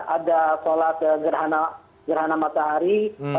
ada solat gerhana matahari